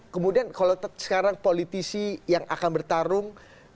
kemudian kalau sekarang politisi yang akan bertarung